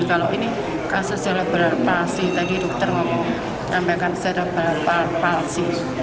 kalau ini kesecelebral palsy tadi dokter ngomong namanya kan cerebral palsy